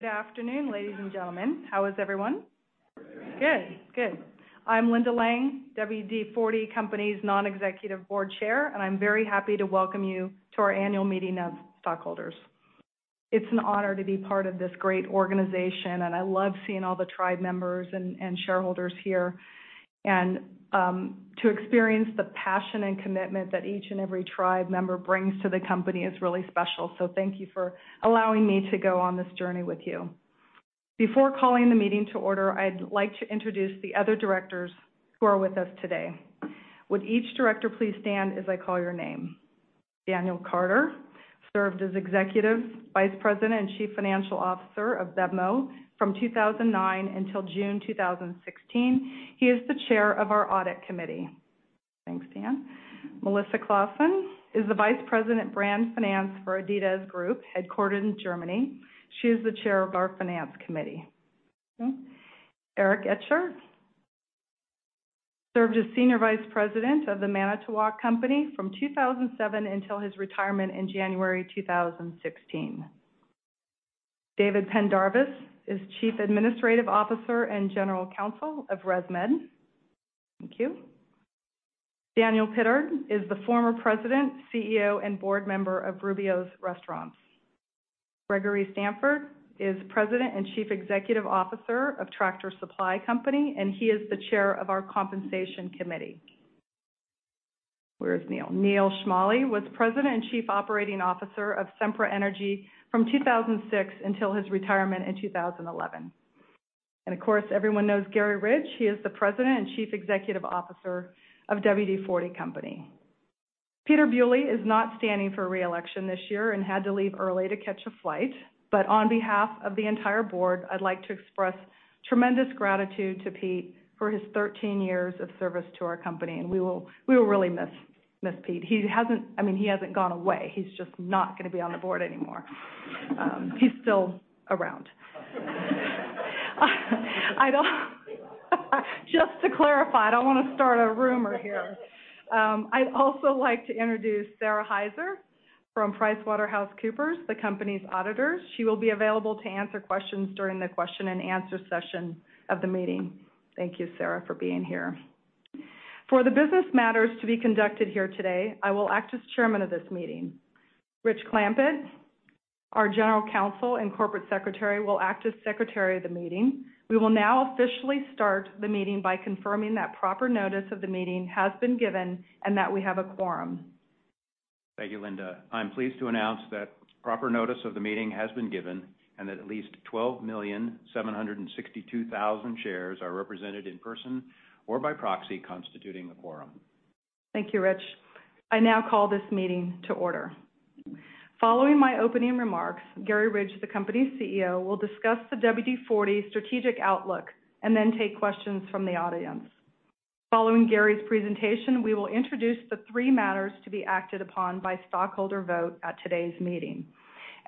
Good afternoon, ladies and gentlemen. How is everyone? Good. Good. I'm Linda Lang, WD-40 Company's Non-Executive Board Chair, and I'm very happy to welcome you to our annual meeting of stockholders. It's an honor to be part of this great organization, and I love seeing all the tribe members and shareholders here. To experience the passion and commitment that each and every tribe member brings to the company is really special. Thank you for allowing me to go on this journey with you. Before calling the meeting to order, I'd like to introduce the other directors who are with us today. Would each director please stand as I call your name? Daniel Carter served as Executive Vice President and Chief Financial Officer of BevMo! from 2009 until June 2016. He is the Chair of our Audit Committee. Thanks, Dan. Melissa Claassen is the Vice President, Brand Finance for Adidas Group, headquartered in Germany. She is the Chair of our Finance Committee. Okay. Eric Etchart served as Senior Vice President of The Manitowoc Company from 2007 until his retirement in January 2016. David Pendarvis is Chief Administrative Officer and General Counsel of ResMed. Thank you. Daniel Pittard is the former President, CEO, and Board Member of Rubio's Restaurants. Greg Sandfort is President and Chief Executive Officer of Tractor Supply Company, and he is the Chair of our Compensation Committee. Where is Neal? Neal Schmale was President and Chief Operating Officer of Sempra Energy from 2006 until his retirement in 2011. Of course, everyone knows Garry Ridge. He is the President and Chief Executive Officer of WD-40 Company. Peter Bewley is not standing for re-election this year and had to leave early to catch a flight. On behalf of the entire board, I'd like to express tremendous gratitude to Pete for his 13 years of service to our company, and we will really miss Pete. He hasn't gone away. He's just not going to be on the board anymore. He's still around. Just to clarify, I don't want to start a rumor here. I'd also like to introduce Sara Hyzer from PricewaterhouseCoopers, the company's auditors. She will be available to answer questions during the question-and-answer session of the meeting. Thank you, Sarah, for being here. For the business matters to be conducted here today, I will act as Chairman of this meeting. Rich Clampitt, our General Counsel and Corporate Secretary, will act as Secretary of the meeting. We will now officially start the meeting by confirming that proper notice of the meeting has been given and that we have a quorum. Thank you, Linda. I'm pleased to announce that proper notice of the meeting has been given, that at least 12,762,000 shares are represented in person or by proxy, constituting a quorum. Thank you, Rich. I now call this meeting to order. Following my opening remarks, Garry Ridge, the company's CEO, will discuss the WD-40 strategic outlook and then take questions from the audience. Following Garry's presentation, we will introduce the three matters to be acted upon by stockholder vote at today's meeting.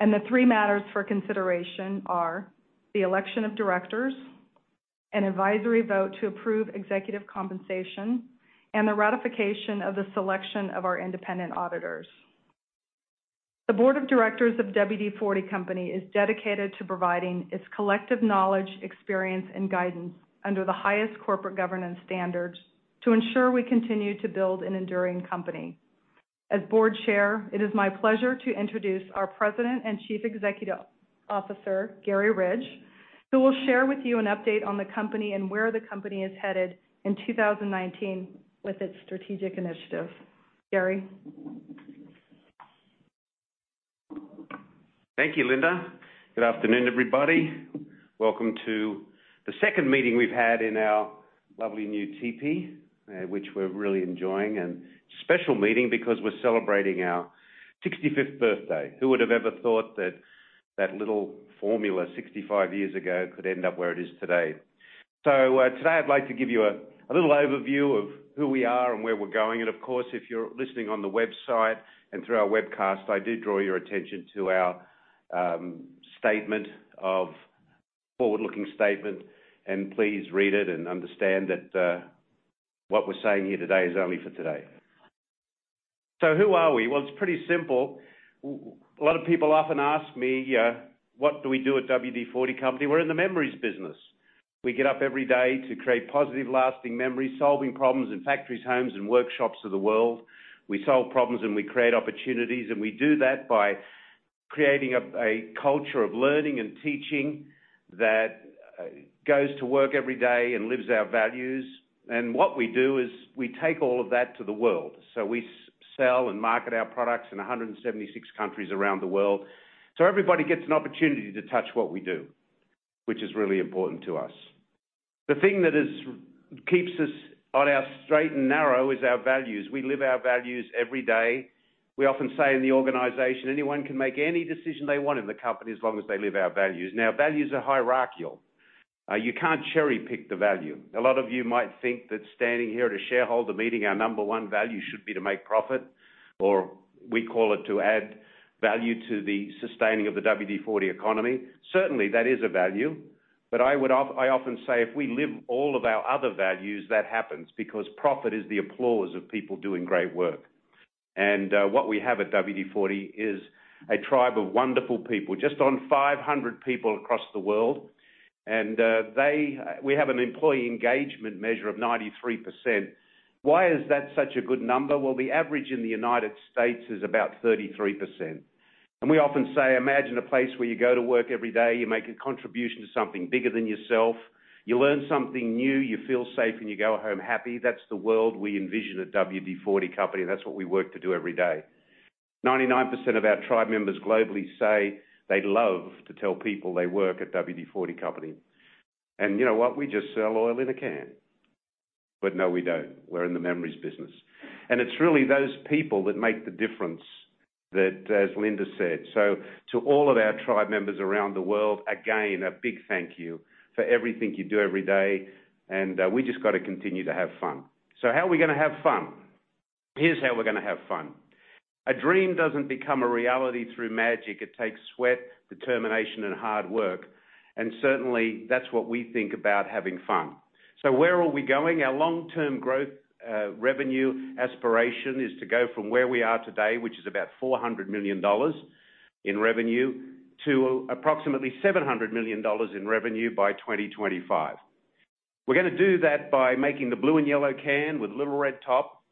The three matters for consideration are the election of directors, an advisory vote to approve executive compensation, and the ratification of the selection of our independent auditors. The Board of Directors of WD-40 Company is dedicated to providing its collective knowledge, experience, and guidance under the highest corporate governance standards to ensure we continue to build an enduring company. As Board Chair, it is my pleasure to introduce our President and Chief Executive Officer, Garry Ridge, who will share with you an update on the company and where the company is headed in 2019 with its strategic initiatives. Garry? Thank you, Linda. Good afternoon, everybody. Welcome to the second meeting we've had in our lovely new teepee, which we're really enjoying. Special meeting because we're celebrating our 65th birthday. Who would have ever thought that that little formula 65 years ago could end up where it is today? Today I'd like to give you a little overview of who we are and where we're going. Of course, if you're listening on the website and through our webcast, I do draw your attention to our forward-looking statement, and please read it and understand that what we're saying here today is only for today. Who are we? Well, it's pretty simple. A lot of people often ask me, what do we do at WD-40 Company? We're in the memories business. We get up every day to create positive, lasting memories, solving problems in factories, homes, and workshops of the world. We solve problems and we create opportunities, and we do that by creating a culture of learning and teaching that goes to work every day and lives our values. What we do is we take all of that to the world. We sell and market our products in 176 countries around the world. Everybody gets an opportunity to touch what we do, which is really important to us. The thing that keeps us on our straight and narrow is our values. We live our values every day. We often say in the organization, anyone can make any decision they want in the company as long as they live our values. Now, values are hierarchical. You can't cherry-pick the value. A lot of you might think that standing here at a shareholder meeting, our number one value should be to make profit, or we call it to add value to the sustaining of the WD-40 economy. Certainly, that is a value. I often say if we live all of our other values, that happens because profit is the applause of people doing great work. What we have at WD-40 is a tribe of wonderful people, just on 500 people across the world, and we have an employee engagement measure of 93%. Why is that such a good number? The average in the U.S. is about 33%. We often say, imagine a place where you go to work every day, you make a contribution to something bigger than yourself, you learn something new, you feel safe, and you go home happy. That's the world we envision at WD-40 Company, that's what we work to do every day. 99% of our tribe members globally say they love to tell people they work at WD-40 Company. You know what? We just sell oil in a can. No, we don't. We're in the memories business. It's really those people that make the difference that, as Linda said. To all of our tribe members around the world, again, a big thank you for everything you do every day, we just got to continue to have fun. How are we going to have fun? Here's how we're going to have fun. A dream doesn't become a reality through magic. It takes sweat, determination, and hard work, certainly, that's what we think about having fun. Where are we going? Our long-term growth revenue aspiration is to go from where we are today, which is about $400 million in revenue, to approximately $700 million in revenue by 2025. We're going to do that by making the blue and yellow can with little red top,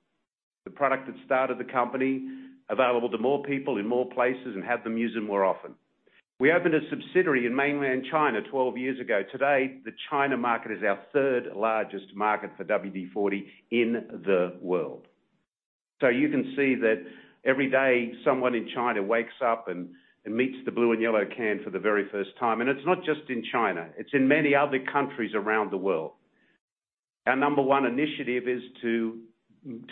the product that started the company, available to more people in more places and have them use it more often. We opened a subsidiary in mainland China 12 years ago. Today, the China market is our third largest market for WD-40 in the world. You can see that every day, someone in China wakes up and meets the blue and yellow can for the very first time. It's not just in China. It's in many other countries around the world. Our number one initiative is to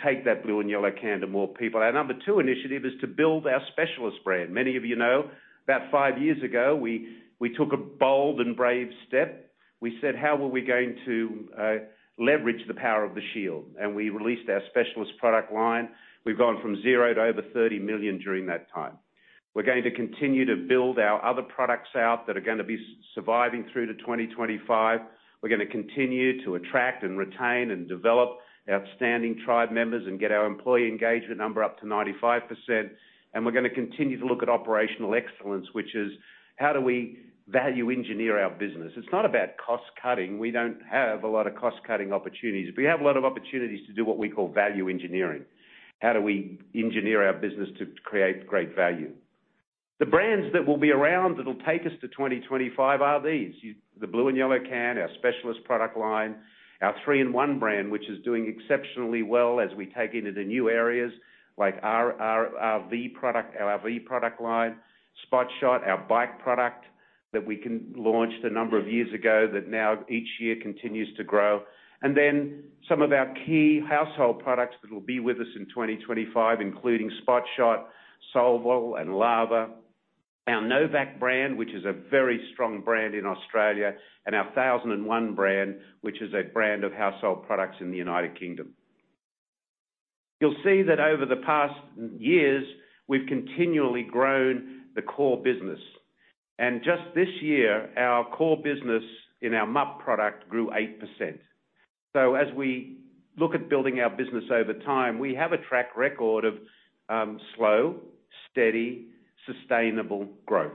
take that blue and yellow can to more people. Our number two initiative is to build our Specialist brand. Many of you know, about five years ago, we took a bold and brave step. We said, "How are we going to leverage the power of the shield?" We released our Specialist product line. We've gone from zero to over $30 million during that time. We're going to continue to build our other products out that are going to be surviving through to 2025. We're going to continue to attract and retain and develop outstanding tribe members and get our employee engagement number up to 95%. We're going to continue to look at operational excellence, which is how do we value engineer our business? It's not about cost-cutting. We don't have a lot of cost-cutting opportunities, we have a lot of opportunities to do what we call value engineering. How do we engineer our business to create great value? The brands that will be around that will take us to 2025 are these, the blue and yellow can, our specialist product line, our 3-IN-ONE brand, which is doing exceptionally well as we take it into new areas like our RVcare product line. Spot Shot, our bike product that we can launch the number of years ago that now each year continues to grow. Then some of our key household products that will be with us in 2025, including Spot Shot, Solvol, and Lava. Our No-Vac brand, which is a very strong brand in Australia, and our 1001 brand, which is a brand of household products in the United Kingdom. You'll see that over the past years, we've continually grown the core business. Just this year, our core business in our MUP product grew 8%. As we look at building our business over time, we have a track record of slow, steady, sustainable growth.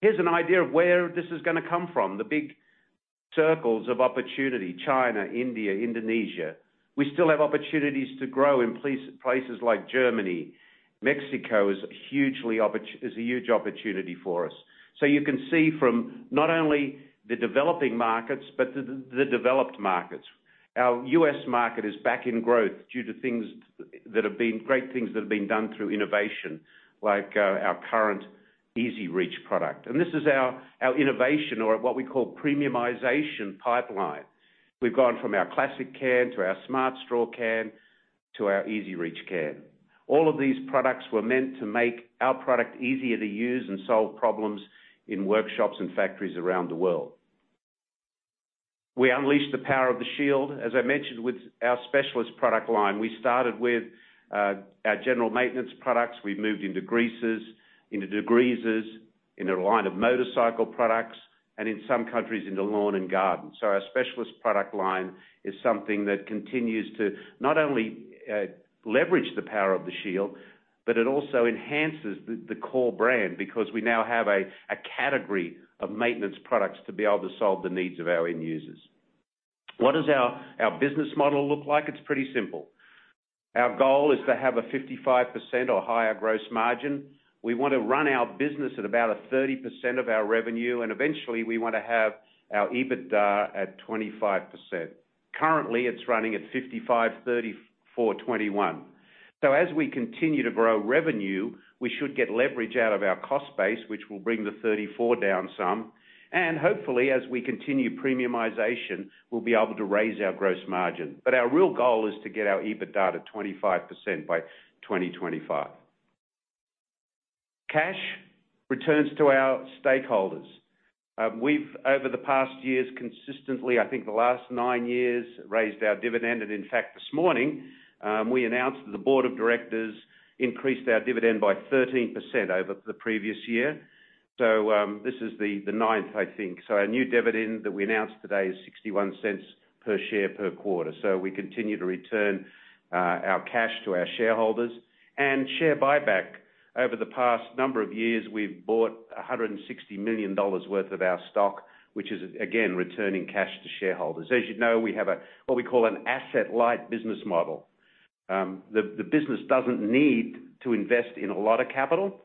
Here's an idea of where this is going to come from, the big circles of opportunity, China, India, Indonesia. We still have opportunities to grow in places like Germany. Mexico is a huge opportunity for us. You can see from not only the developing markets but the developed markets. Our U.S. market is back in growth due to great things that have been done through innovation, like our current EZ-REACH product. This is our innovation or what we call premiumization pipeline. We've gone from our classic can to our Smart Straw can to our EZ-REACH can. All of these products were meant to make our product easier to use and solve problems in workshops and factories around the world. We unleash the power of the shield. As I mentioned with our specialist product line, we started with our general maintenance products. We've moved into greases, into degreasers, in a line of motorcycle products, and in some countries, into lawn and garden. Our specialist product line is something that continues to not only leverage the power of the shield, but it also enhances the core brand because we now have a category of maintenance products to be able to solve the needs of our end users. What does our business model look like? It's pretty simple. Our goal is to have a 55% or higher gross margin. We want to run our business at about a 30% of our revenue, and eventually, we want to have our EBITDA at 25%. Currently, it's running at 55%, 34%, 21%. As we continue to grow revenue, we should get leverage out of our cost base, which will bring the 34% down some. Hopefully, as we continue premiumization, we'll be able to raise our gross margin. Our real goal is to get our EBITDA to 25% by 2025. Cash returns to our stakeholders. We've, over the past years, consistently, I think the last nine years, raised our dividend. In fact, this morning, we announced that the board of directors increased our dividend by 13% over the previous year. This is the ninth, I think. Our new dividend that we announced today is $0.61 per share per quarter. We continue to return our cash to our shareholders. Share buyback. Over the past number of years, we've bought $160 million worth of our stock, which is again, returning cash to shareholders. As you know, we have what we call an asset light business model. The business doesn't need to invest in a lot of capital,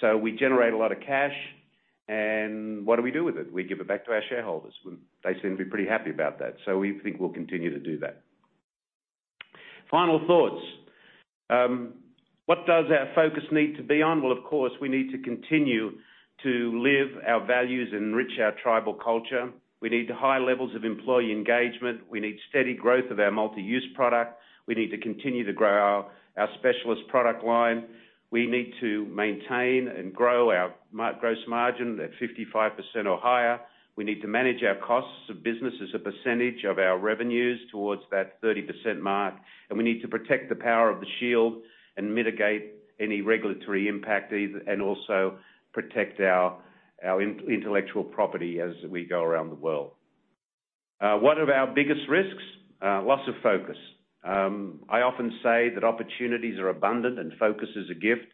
so we generate a lot of cash. What do we do with it? We give it back to our shareholders. They seem to be pretty happy about that, so we think we'll continue to do that. Final thoughts. What does our focus need to be on? Well, of course, we need to continue to live our values and enrich our tribal culture. We need high levels of employee engagement. We need steady growth of our multi-use product. We need to continue to grow our specialist product line. We need to maintain and grow our gross margin at 55% or higher. We need to manage our costs of business as a percentage of our revenues towards that 30% mark. We need to protect the power of the shield and mitigate any regulatory impact and also protect our intellectual property as we go around the world. One of our biggest risks, loss of focus. I often say that opportunities are abundant and focus is a gift.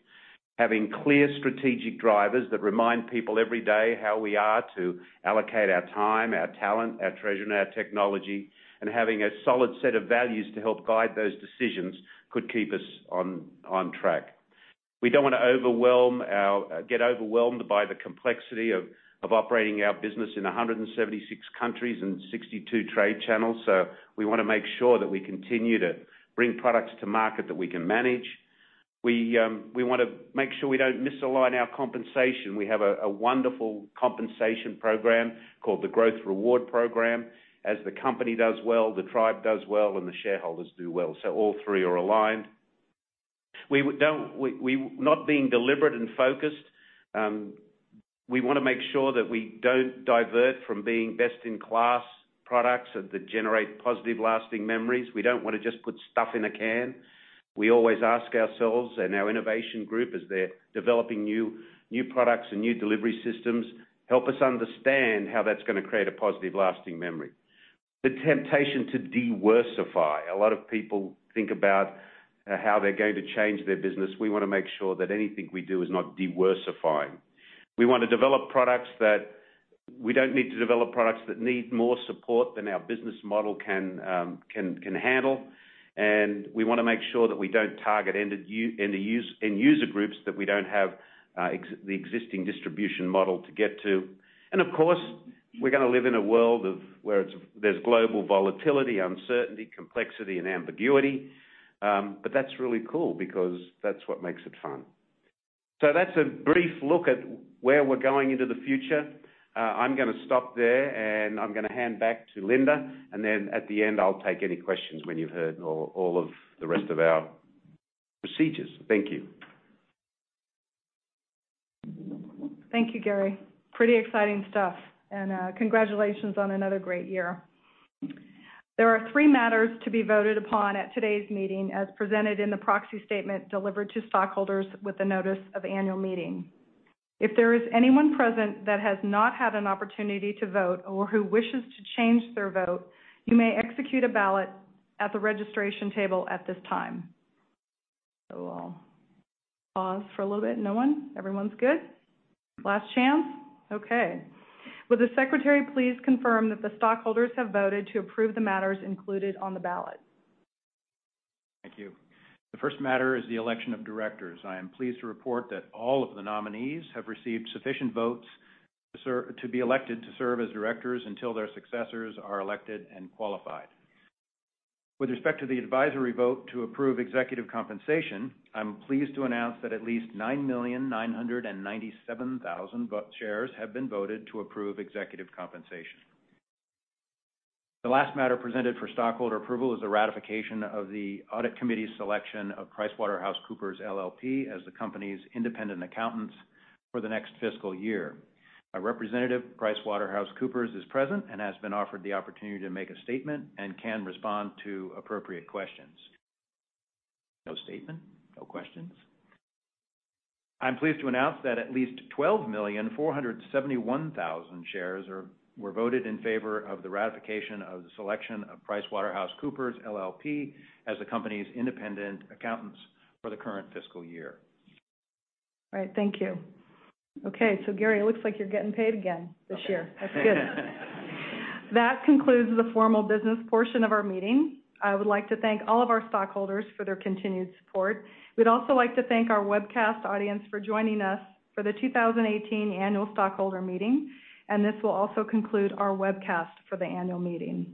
Having clear strategic drivers that remind people every day how we are to allocate our time, our talent, our treasure, and our technology, and having a solid set of values to help guide those decisions could keep us on track. We don't want to get overwhelmed by the complexity of operating our business in 176 countries and 62 trade channels. We want to make sure that we continue to bring products to market that we can manage. We want to make sure we don't misalign our compensation. We have a wonderful compensation program called the Growth Reward Program. As the company does well, the tribe does well, and the shareholders do well. All three are aligned. Not being deliberate and focused. We want to make sure that we don't divert from being best in class products that generate positive, lasting memories. We don't want to just put stuff in a can. We always ask ourselves and our innovation group, as they're developing new products and new delivery systems, help us understand how that's going to create a positive, lasting memory. The temptation to de-worsify. A lot of people think about how they're going to change their business. We want to make sure that anything we do is not de-worsifying. We don't need to develop products that need more support than our business model can handle. We want to make sure that we don't target end user groups that we don't have the existing distribution model to get to. Of course, we're going to live in a world where there's global volatility, uncertainty, complexity and ambiguity. That's really cool because that's what makes it fun. That's a brief look at where we're going into the future. I'm going to stop there. I'm going to hand back to Linda, and then at the end, I'll take any questions when you've heard all of the rest of our procedures. Thank you. Thank you, Garry. Congratulations on another great year. There are three matters to be voted upon at today's meeting, as presented in the proxy statement delivered to stockholders with the notice of annual meeting. If there is anyone present that has not had an opportunity to vote or who wishes to change their vote, you may execute a ballot at the registration table at this time. I'll pause for a little bit. No one? Everyone's good? Last chance. Will the Secretary please confirm that the stockholders have voted to approve the matters included on the ballot? Thank you. The first matter is the election of directors. I am pleased to report that all of the nominees have received sufficient votes to be elected to serve as directors until their successors are elected and qualified. With respect to the advisory vote to approve executive compensation, I'm pleased to announce that at least 9,997,000 shares have been voted to approve executive compensation. The last matter presented for stockholder approval is the ratification of the Audit Committee's selection of PricewaterhouseCoopers, LLP as the company's independent accountants for the next fiscal year. A representative of PricewaterhouseCoopers is present and has been offered the opportunity to make a statement and can respond to appropriate questions. No statement, no questions. I'm pleased to announce that at least 12,471,000 shares were voted in favor of the ratification of the selection of PricewaterhouseCoopers, LLP as the company's independent accountants for the current fiscal year. All right. Thank you. Garry, it looks like you're getting paid again this year. Okay. That's good. That concludes the formal business portion of our meeting. I would like to thank all of our stockholders for their continued support. We'd also like to thank our webcast audience for joining us for the 2018 Annual Stockholder Meeting. This will also conclude our webcast for the annual meeting.